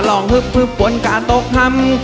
ลองฮึบฮึบฝนกาตกทำ